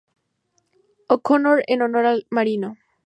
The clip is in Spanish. O'Connor en honor al marino.